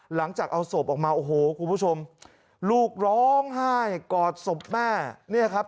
หลังจากเอาศพออกมาโอ้โหคุณผู้ชมลูกร้องไห้กอดศพแม่เนี่ยครับ